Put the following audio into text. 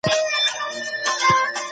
ډاکټر د ناروغ حالت څېړه.